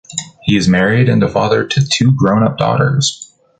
He is married and a father to two grown-up daughters.